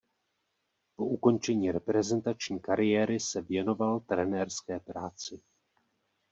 Po ukončení reprezentační kariéry se věnoval trenérské práci.